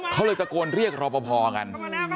เขาเลยตะโกนเรียกรอปภกัน